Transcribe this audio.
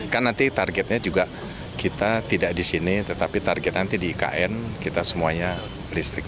kan nanti targetnya juga kita tidak di sini tetapi target nanti di ikn kita semuanya listrik